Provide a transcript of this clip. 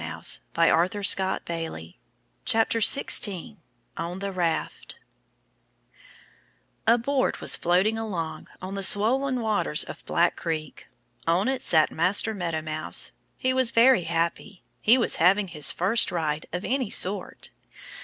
16 On the Raft A BOARD was floating along on the swollen waters of Black Creek. On it sat Master Meadow Mouse. He was very happy. He was having his first ride, of any sort.